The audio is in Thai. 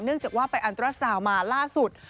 เนื่องจากว่าไปอันตรศาลมาล่าสุด